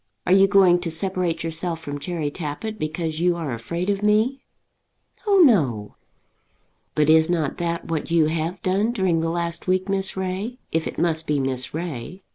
Are you going to separate yourself from Cherry Tappitt because you are afraid of me?" "Oh, no." "But is not that what you have done during the last week, Miss Ray; if it must be Miss Ray?"